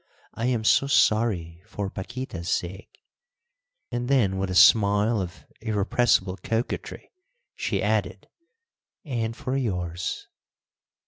I am so sorry, for Paquíta's sake." And then, with a smile of irrepressible coquetry, she added, "And for yours."